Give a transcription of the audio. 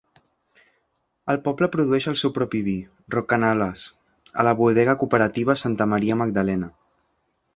El poble produeix el seu propi vi, Rocanales, a la bodega cooperativa Santa Maria Magdalena.